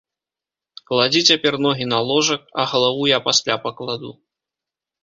Кладзі цяпер ногі на ложак, а галаву я пасля пакладу.